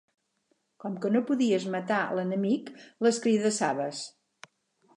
Com que no podies matar l'enemic, l'escridassaves